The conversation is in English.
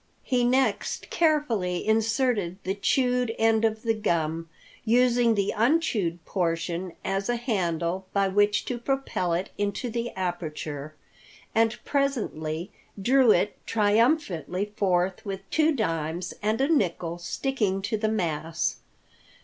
He next carefully inserted the chewed end of the gum, using the unchewed portion as a handle by which to propel it into the aperture, and presently drew it triumphantly forth with two dimes and a nickel sticking to the mass.